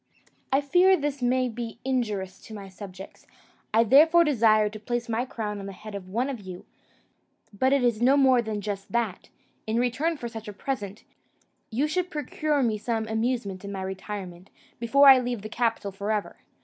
I fear this may be injurious to my subjects; I therefore desire to place my crown on the head of one of you; but it is no more than just that, in return for such a present, you should procure me some amusement in my retirement, before I leave the capital for ever.